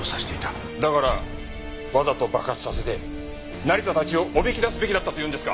だからわざと爆発させて成田たちをおびき出すべきだったというんですか！